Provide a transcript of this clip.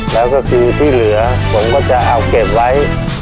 แล้วก็คือที่เหลือผมก็จะเอาเก็บไว้